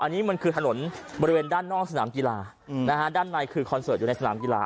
อันนี้มันคือถนนบริเวณด้านนอกสนามกีฬาด้านในคือคอนเสิร์ตอยู่ในสนามกีฬา